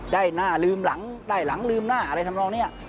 ได้หน้าลืมหลังได้หลังลืมหน้าอะไรทำนองนี้